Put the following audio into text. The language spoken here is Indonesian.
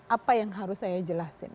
apa yang harus saya jelasin